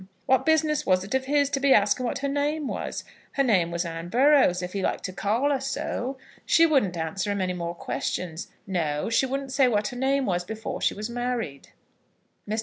What business was it of his to be asking what her name was? Her name was Anne Burrows, if he liked to call her so. She wouldn't answer him any more questions. No; she wouldn't say what her name was before she was married." Mr.